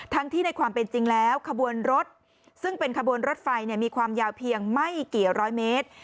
ที่ในความเป็นจริงแล้วขบวนรถซึ่งเป็นขบวนรถไฟมีความยาวเพียงไม่กี่ร้อยเมตร